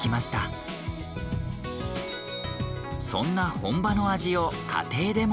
そんな本場の味を家庭でも。